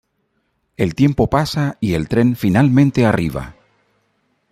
El tiempo pasa y el tren finalmente arriba.